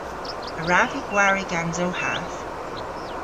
A wrav vy gwari gans ow hath?